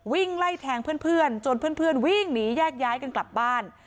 วิ่งไล่แทงเพื่อนจนเพื่อนวิ่งหนีแยกย้ายกันกลับบ้าน